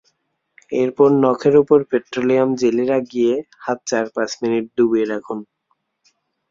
এরপর নখের ওপর পেট্রোলিয়াম জেলি লাগিয়ে হাত চার-পাঁচ মিনিট ডুবিয়ে রাখুন।